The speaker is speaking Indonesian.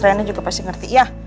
rena juga pasti ngerti ya